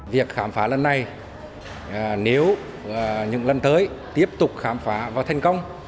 việc khám phá lần này nếu những lần tới tiếp tục khám phá và thành công